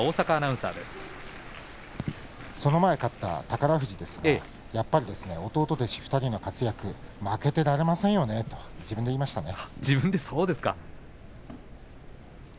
宝富士ですがやっぱり弟弟子２人の活躍負けていられませんよねと自分で言いましたね。